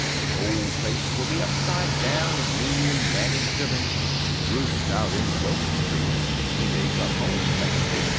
The ol' place will be upside down; An' me an' Mammy driven To roost out in the locus' trees When they come home Thanksgivin'.